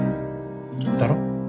だろ？